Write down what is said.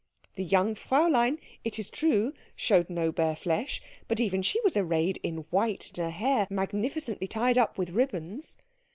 The young Fräulein, it is true, showed no bare flesh, but even she was arrayed in white, and her hair magnificently tied up with ribbons.